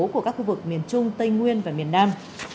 của các khu vực miền trung tây nguyên và miền nam